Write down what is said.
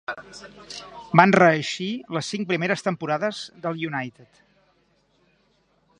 Van reeixir les cinc primeres temporades del United.